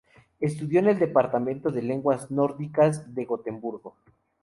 Estudió en el Departamento de Lenguas Nórdicas de Gotemburgo.